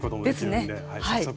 早速。